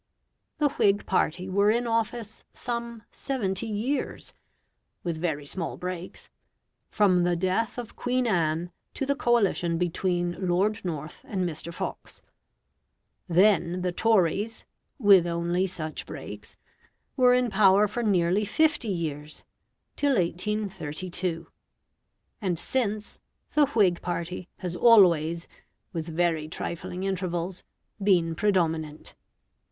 The Whig party were in office some seventy years (with very small breaks) from the death of Queen Anne to the coalition between Lord North and Mr. Fox; then the Tories (with only such breaks), were in power for nearly fifty years, till 1832; and since, the Whig party has always, with very trifling intervals, been predominant.